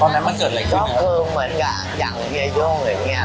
เป็นเงินไหมอ่ะคุณแม่คือเหมือนกับอย่างเยี่ยโย่งอย่างเงี้ย